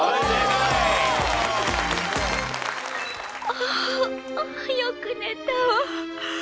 「ああよく寝たわ」